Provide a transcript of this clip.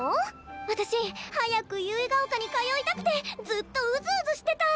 私早く結ヶ丘に通いたくてずっとうずうずしてた。